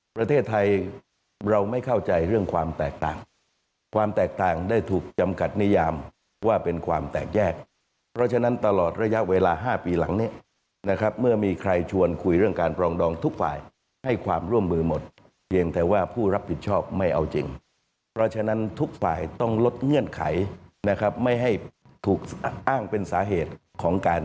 ประเทศไทยเราไม่เข้าใจเรื่องความแตกต่างความแตกต่างได้ถูกจำกัดนิยามว่าเป็นความแตกแยกเพราะฉะนั้นตลอดระยะเวลา๕ปีหลังนี้นะครับเมื่อมีใครชวนคุยเรื่องการปรองดองทุกฝ่ายให้ความร่วมมือหมดเพียงแต่ว่าผู้รับผิดชอบไม่เอาจริงเพราะฉะนั้นทุกฝ่ายต้องลดเงื่อนไขนะครับไม่ให้ถูกอ้างเป็นสาเหตุของการ